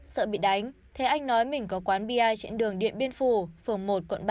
sợ bị đánh thế anh nói mình có quán bia trên đường điện biên phủ phường một quận ba